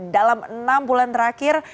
dalam enam bulan terakhir